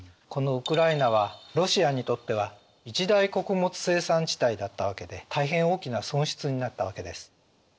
このウクライナはロシアにとっては一大穀物生産地帯だったわけで大変大きな損失になったわけです。